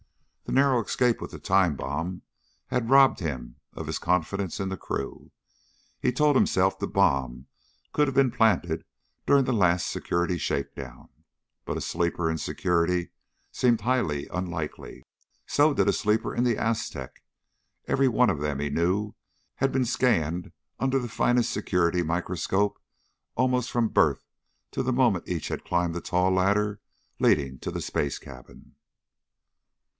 The narrow escape with the time bomb had robbed him of his confidence in the crew. He told himself the bomb could have been planted during the last security shakedown. But a "sleeper" in security seemed highly unlikely. So did a "sleeper" in the Aztec. Everyone of them, he knew, had been scanned under the finest security microscope almost from birth to the moment each had climbed the tall ladder leading to the space cabin.